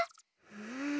うん。